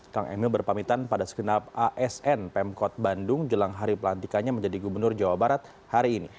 kang emil berpamitan pada segenap asn pemkot bandung jelang hari pelantikannya menjadi gubernur jawa barat hari ini